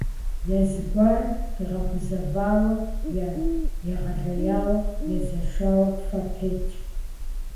Е зыгуэрым къигъэгузавэу е егъэлеяуэ езэшауэ фэ тетщ.